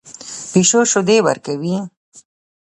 پیشو شیدې ورکوي